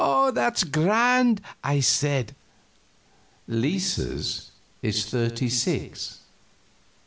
"That's grand!" I said. "Lisa's, thirty six.